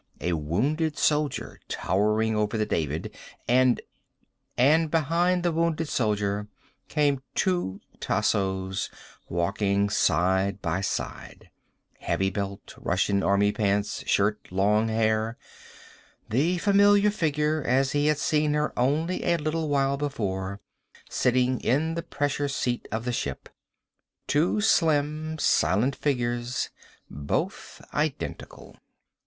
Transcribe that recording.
A Wounded Soldier, towering over the David. And And behind the Wounded Soldier came two Tassos, walking side by side. Heavy belt, Russian army pants, shirt, long hair. The familiar figure, as he had seen her only a little while before. Sitting in the pressure seat of the ship. Two slim, silent figures, both identical.